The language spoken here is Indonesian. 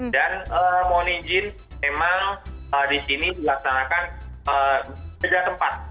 dan mohon izin memang di sini dilaksanakan sejauh tempat